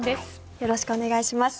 よろしくお願いします。